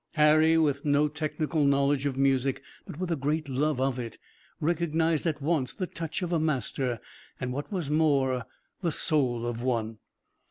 Harry, with no technical knowledge of music but with a great love of it, recognized at once the touch of a master, and what was more, the soul of one.